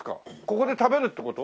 ここで食べるって事？